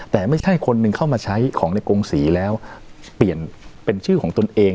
แต่ไม่ใช่คนหนึ่งเข้ามาใช้ของในกงศรีแล้วเปลี่ยนเป็นชื่อของตนเอง